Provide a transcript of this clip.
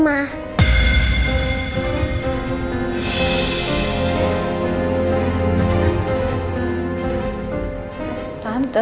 siapa sih tante